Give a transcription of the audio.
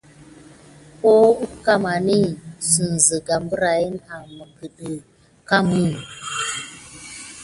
Ho ni def akine sucko apane sine birayane nani game.